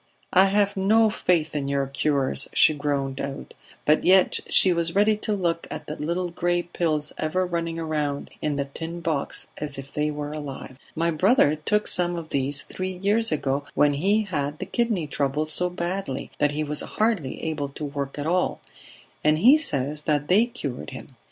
"I have no faith in your cures," she groaned out. But yet she was ready to look at the little gray pills ever running round in the tin box as if they were alive. "My brother took some of these three years ago when he had the kidney trouble so badly that he was hardly able to work at all, and he says that they cured him.